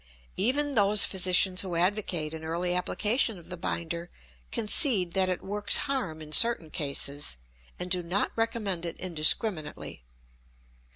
Even those physicians who advocate an early application of the binder concede that it works harm in certain cases and do not recommend it indiscriminately.